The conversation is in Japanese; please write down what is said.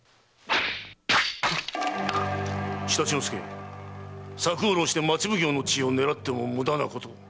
常陸介策を弄して町奉行の地位を狙っても無駄なこと。